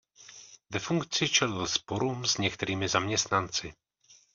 Ve funkci čelil sporům s některými zaměstnanci.